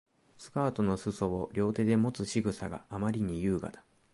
スカートの裾を両手でもつ仕草があまりに優雅だ